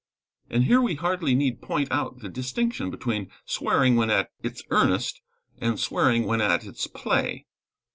And here we hardly need point out the distinction between swearing when at its earnest, and swearing when at its play.